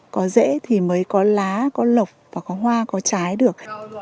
có rễ thì mới có lá có lộc và có hoa có trái được